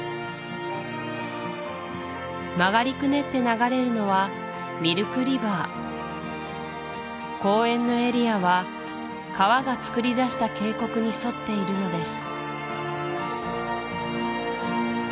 曲がりくねって流れるのはミルク・リバー公園のエリアは川がつくりだした渓谷に沿っているのです